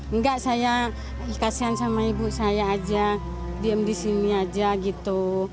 enggak saya kasihan sama ibu saya aja diam di sini aja gitu